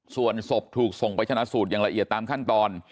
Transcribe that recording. ส่วนศพถูกส่งไปชนะสูตรอย่างละเอียดตามขั้นตอน